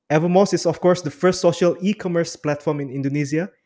evermose adalah tentu saja platform e commerce sosial pertama di indonesia